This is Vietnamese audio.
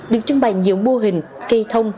được trưng bày nhiều mô hình cây thông